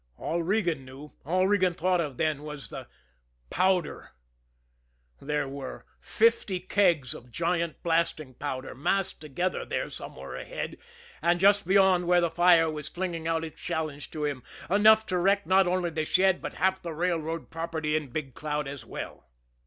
All Regan knew, all Regan thought of then, was the powder. There were fifty kegs of giant blasting powder massed together there somewhere ahead, and just beyond where the fire was flinging out its challenge to him enough to wreck not only the shed, but half the railroad property in Big Cloud as well.